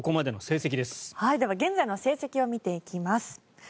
では現在の成績を見ていきます。